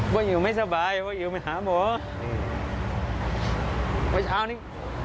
ว่าหิวไม่สบายว่าหิวไปหาหมอวันเช้านี้